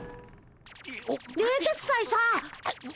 冷徹斎さん！